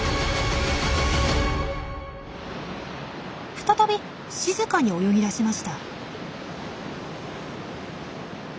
再び静かに泳ぎだしました。